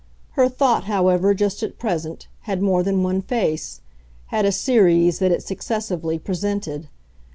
Her thought, however, just at present, had more than one face had a series that it successively presented.